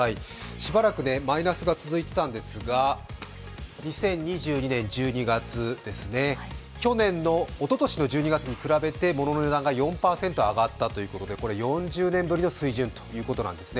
しばらくマイナスが続いていたんですが２０２２年１２月、おととしの１２月に比べて物の値段が４％上がったということで４０年ぶりの水準ということなんですね。